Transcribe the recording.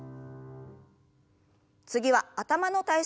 次は頭の体操です。